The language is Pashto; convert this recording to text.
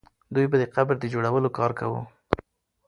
دوی به د قبر د جوړولو کار کاوه.